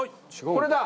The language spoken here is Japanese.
これだ！